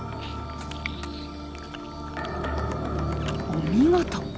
お見事！